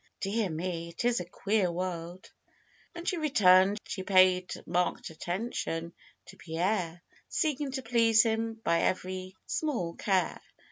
Dear me ! It is a queer world !" When she returned she paid marked attention to Pierre, seeking to please him by every small care.